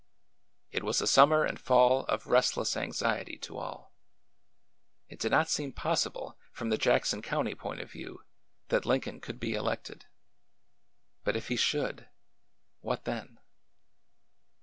It was a summer and fall of restless anxiety to all. It did not seem possible, from the Jackson County point of view, that Lincoln could be elected. But if he should— what then?